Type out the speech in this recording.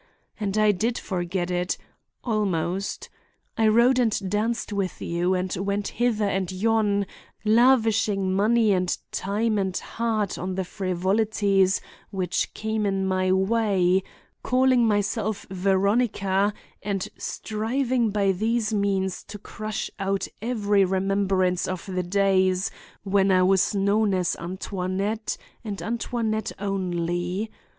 And I did forget it—almost. I rode and danced with you and went hither and yon, lavishing money and time and heart on the frivolities which came in my way, calling myself Veronica and striving by these means to crush out every remembrance of the days when I was known as Antoinette and Antoinette only.